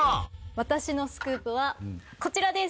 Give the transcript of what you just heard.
私のスクープはこちらです！